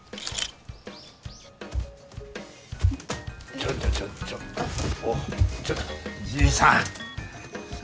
ちょっとちょっとちょっとちょっとじいさん。